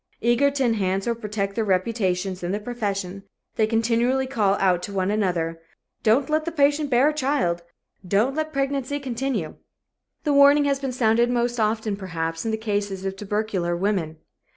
Eager to enhance or protect their reputations in the profession, they continually call out to one another: "Don't let the patient bear a child don't let pregnancy continue." The warning has been sounded most often, perhaps, in the cases of tubercular women.